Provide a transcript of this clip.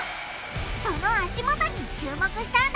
その足元に注目したんだ！